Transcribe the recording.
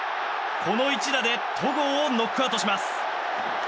この一打で戸郷をノックアウトします。